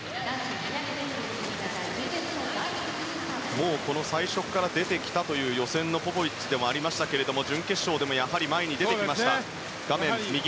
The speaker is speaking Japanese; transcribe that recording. もう最初から出てきたという予選のポポビッチでしたが準決勝でもやはり前に出てきました。